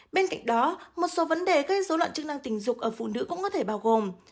bên cạnh đó một số vấn đề gây dối loạn chức năng tình dục ở phụ nữ cũng có thể bao gồm